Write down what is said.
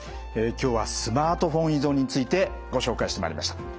今日はスマートフォン依存についてご紹介してまいりました。